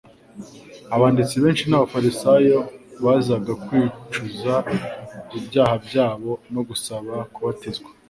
Abanditsi benshi n'abafarisayo bazaga kwicuza ibyaha byabo no gusaba kubatizwa.